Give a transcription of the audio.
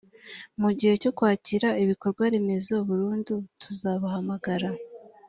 mu gihe cyo kwakira ibikorwaremezo burundu tuzabahamagara